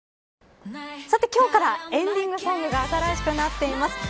さて、きょうからエンディングソングが新しくなっています。